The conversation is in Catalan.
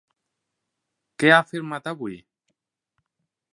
Què ha afirmat avui?